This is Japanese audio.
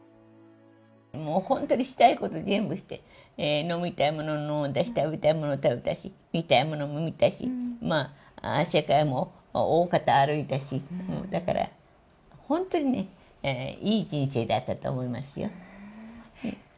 もう本当にしたいこと全部して、飲みたいもの飲んだし、食べたいもの食べたし、見たいものも見たし、世界も大方歩いたし、だから、本当にね、いい人生だったと思いますよ。